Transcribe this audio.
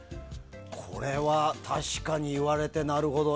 これは確かに言われてなるほど。